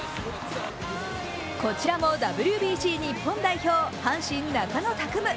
こちらもＷＢＣ日本代表、阪神・中野拓夢。